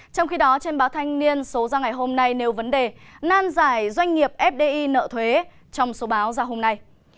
trong khi đó trên báo thanh niên số ra ngày hôm nay nêu vấn đề nan giải doanh nghiệp fdi nợ thuế trong số báo ra hôm nay